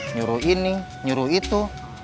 nyuruh ini nyuruh itu